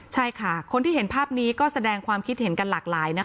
ใช่ค่ะคนที่เห็นภาพนี้ก็แสดงความคิดเห็นกันหลากหลายนะคะ